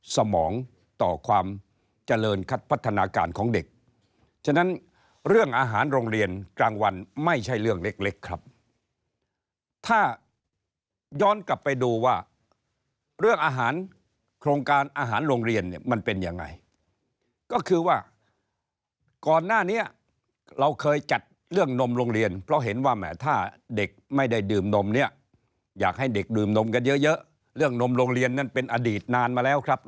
สมองต่อความเจริญคัดพัฒนาการของเด็กฉะนั้นเรื่องอาหารโรงเรียนกลางวันไม่ใช่เรื่องเล็กครับถ้าย้อนกลับไปดูว่าเรื่องอาหารโครงการอาหารโรงเรียนเนี่ยมันเป็นยังไงก็คือว่าก่อนหน้านี้เราเคยจัดเรื่องนมโรงเรียนเพราะเห็นว่าแหมถ้าเด็กไม่ได้ดื่มนมเนี่ยอยากให้เด็กดื่มนมกันเยอะเรื่องนมโรงเรียนนั้นเป็นอดีตนานมาแล้วครับ